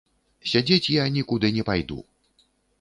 Сядзець я нікуды не пайду.